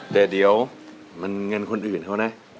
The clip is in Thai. แต่เดี๋ยวมันเงินคนอื่นเขานะ